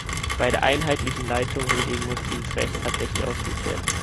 Bei der einheitlichen Leitung hingegen muss dieses Recht tatsächlich ausgeübt werden.